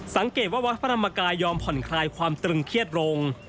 สังเกตว่าวัดพระธรรมกายยอมผ่อนคลายความตรึงเครียดลง